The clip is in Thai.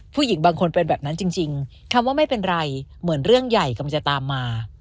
ผู้หญิงบางคนเป็นแบบนั้นจริงคำว่าไม่เป็นไรเหมือนเรื่องใหญ่กำลังจะตามมา